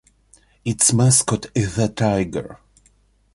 Its mascot is the Tiger.